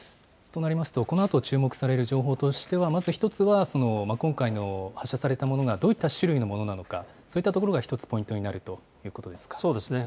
このあと注目される情報としてはまず１つは今回、発射されたものがどういった種類のものなのか、そういったところが１つポイントになるということですか。